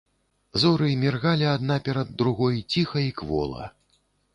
Зоры міргалі адна перад другой ціха і квола.